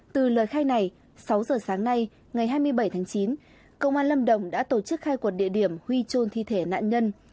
từ lời khai này sáu giờ sáng nay ngày hai mươi bảy tháng chín công an lâm đồng đã tổ chức khai quật địa điểm huy trôn thi thể nạn nhân